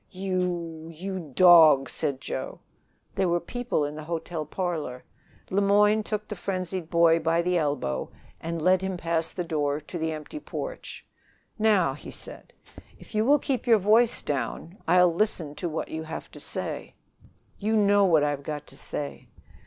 "You you dog!" said Joe. There were people in the hotel parlor. Le Moyne took the frenzied boy by the elbow and led him past the door to the empty porch. "Now," he said, "if you will keep your voice down, I'll listen to what you have to say." "You know what I've got to say."